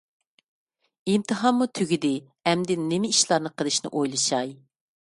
ئىمتىھانمۇ تۈگىدى، ئەمدى نېمە ئىشلارنى قىلىشنى ئويلىشاي.